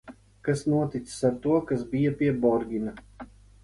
Kas noticis ar to, kas bija pie Borgina?